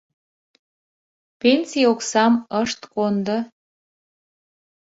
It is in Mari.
— Пенсий оксам ышт кондо?